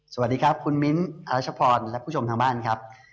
สวัสดีครับคุณมิ้นท์อรัชพรและผู้ชมทางบ้านครับ